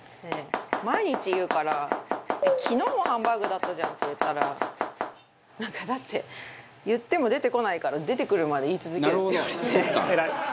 毎日言うから「昨日もハンバーグだったじゃん」って言ったら「だって言っても出てこないから出てくるまで言い続ける」って言われて。